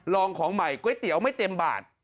ของใหม่ก๋วยเตี๋ยวไม่เต็มบาท